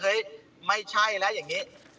ไม่ใช่แล้วอย่างนี้